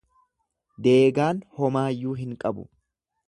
Deegaan homaayyuu hin qabu.